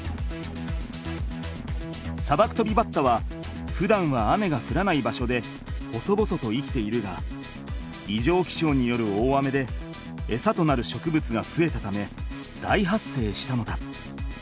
サバクトビバッタはふだんは雨がふらない場所で細々と生きているがいじょうきしょうによる大雨でエサとなる植物がふえたため大発生したのだ。